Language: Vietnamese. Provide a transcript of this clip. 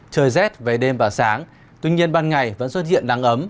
trời rét về đêm và sáng tuy nhiên ban ngày vẫn xuất hiện nắng ấm